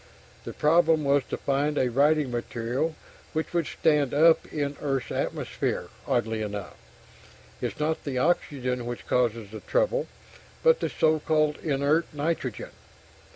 The problem was to find a writing material which would stand up in Earth's atmosphere oddly enough, it's not the oxygen which causes the trouble, but the so called "inert" nitrogen.